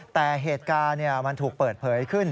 แต่เหตุการณ์มันถูกเปิดเผยขึ้น